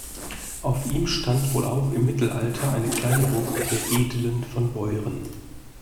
Auf ihm stand wohl auch im Mittelalter eine kleine Burg der Edlen von Beuren.